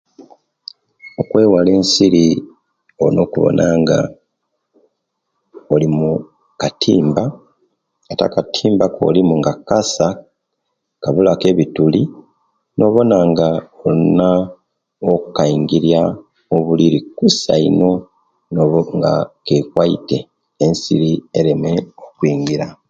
Okwewale ensiri olina okuwona nga oli mukatimba ate akatimba okolimu nga kasa kabula ku ebituli nobona nga olina okaigirya mubuliri kusa ino nga kekwaite ensiri ereme okwingira